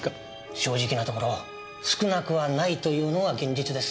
正直なところ少なくはないというのが現実です。